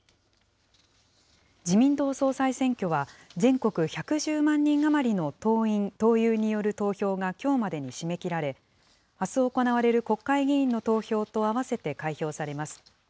自民党総裁選挙は、全国１１０万人余りの党員・党友による投票がきょうまでに締め切られ、あす行われる国会議員の投票と合わせて開票されます。